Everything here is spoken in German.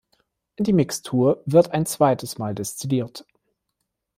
Die Mixtur wird ein zweites Mal destilliert.